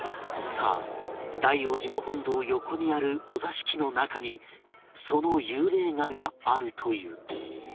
さあ大雄寺の本堂横にあるお座敷の中にその幽霊画があるという